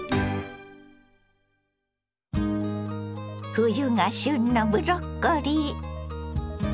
冬が旬のブロッコリー。